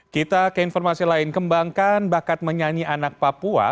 kita ke informasi lain kembangkan bakat menyanyi anak papua